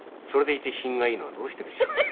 それでいて品がいいのはどうしてでしょう？